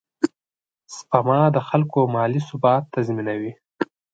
سپما د خلکو مالي ثبات تضمینوي.